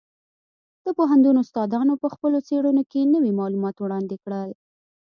د پوهنتون استادانو په خپلو څېړنو کې نوي معلومات وړاندې کړل.